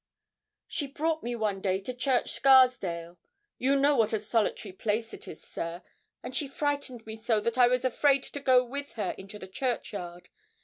'She brought me one day to Church Scarsdale; you know what a solitary place it is, sir; and she frightened me so that I was afraid to go with her into the churchyard.